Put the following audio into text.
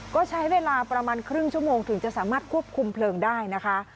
ก็ใช้เวลาประมาณครึ่งชั่วโมงถึงจะสามารถควบคุมเพลิงได้นะคะ